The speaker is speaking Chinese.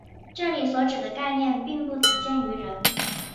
这里所指的概念并不仅限于人。